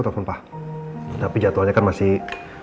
tapi jadwalnya kan masih